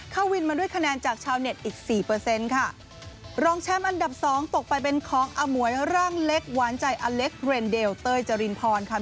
เข้าวินมาด้วยคะแนนจากชาวเน็ตอีกสี่เปอร์เซ็นต์ค่ะรองแชมป์อันดับสองตกไปเป็นของอมวยร่างเล็กหวานใจอเล็กเรนเดลเต้ยจรินพรค่ะ